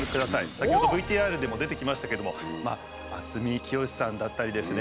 先ほどＶＴＲでも出てきましたけども渥美清さんだったりですね